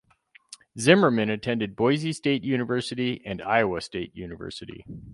Zimmerman attended Boise State University and Iowa State University.